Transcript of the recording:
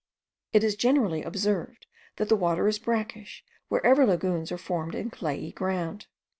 It is generally observed that the water is brackish wherever lagoons are formed in clayey ground.